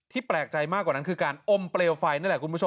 แปลกใจมากกว่านั้นคือการอมเปลวไฟนี่แหละคุณผู้ชม